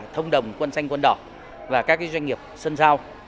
thông đồng quân xanh quân đỏ và các doanh nghiệp sân sau